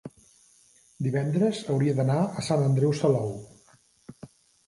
divendres hauria d'anar a Sant Andreu Salou.